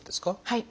はい。